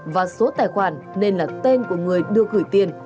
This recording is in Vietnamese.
và số tài khoản nên là tên của người đưa gửi tiền